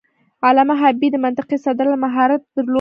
علامه حبيبي د منطقي استدلال مهارت درلود.